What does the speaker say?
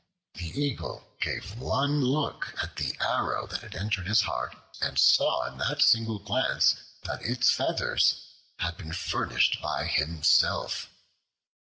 The Eagle gave one look at the arrow that had entered his heart and saw in that single glance that its feathers had been furnished by himself.